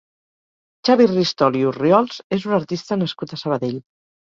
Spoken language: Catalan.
Xavi Ristol i Orriols és un artista nascut a Sabadell.